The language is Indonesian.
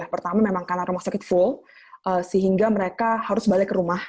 pertama memang karena rumah sakit full sehingga mereka harus balik ke rumah